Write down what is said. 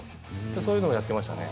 そういうのをやってましたね。